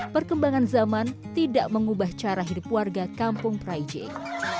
perkembangan zaman tidak mengubah cara hidup warga kampung praijing